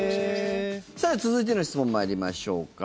続いての質問参りましょうか。